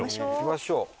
行きましょう。